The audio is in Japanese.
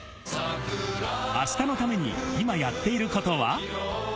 明日のために今やっていることは？